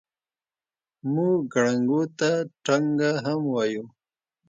موږ ګړنګو ته ټنګه هم وایو.